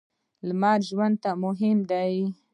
لمر ژوند ته مهم دی.